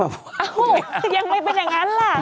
เอ้ายังไม่เป็นอย่างนั้นล่ะ